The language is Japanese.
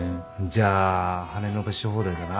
じゃあ羽伸ばし放題だな。